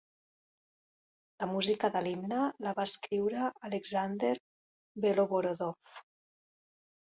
La música de l'himne la va escriure Alexander Beloborodov.